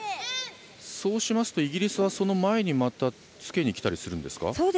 そうしますとイギリスはその前にまたつけにきたりするんですか？